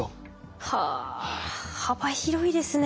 はあ幅広いですね。